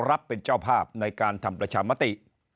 รับเป็นเจ้าภาพในการทำประชามติ